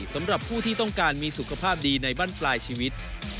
สำหรับผู้ที่ต้องการมีสุขภาพดีในบ้านปลายชีวิต